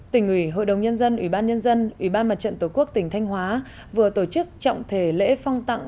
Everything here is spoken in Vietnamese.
tỉnh ủy hội đồng nhân dân ủy ban nhân dân ủy ban mặt trận tổ quốc tỉnh thanh hóa vừa tổ chức trọng thể lễ phong tặng